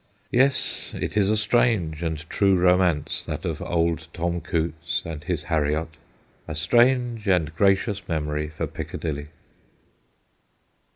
Yes, it is a strange and true romance, that of old Tom Coutts and his Harriot, a strange and gracious memory for Piccadilly.